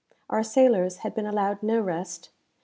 Our sailors had been allowed no rest.